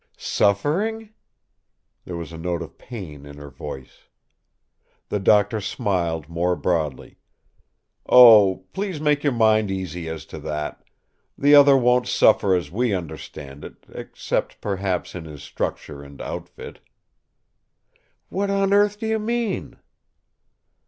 "Suffering?" There was a note of pain in her voice. The Doctor smiled more broadly: "Oh, please make your mind easy as to that. The other won't suffer as we understand it; except perhaps in his structure and outfit." "What on earth do you mean?"